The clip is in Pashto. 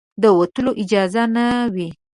د وتلو اجازه نه وه.